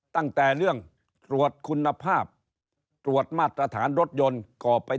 ตั้งแต่เรื่องตรวจคุณภาพตรวจมาตรฐานรถยนต์ก่อไป